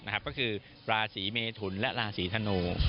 ก็คือราศีเมทุนและราศีธนู